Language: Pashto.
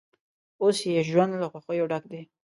اوس یې ژوند له خوښیو ډک دی.